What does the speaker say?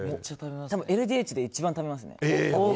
ＬＤＨで一番食べますね。